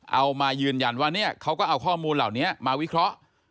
เอามายืนยันว่าเนี่ยเขาก็เอาข้อมูลเหล่านี้มาวิเคราะห์